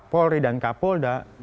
polri dan kapolda